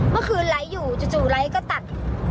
เมื่อคืนไลค์อยู่จุดไลค์ก็ตัด